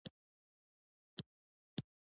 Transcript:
مذهبي حوزې تعبیرونه یې افغانستان ته راوارد کړي.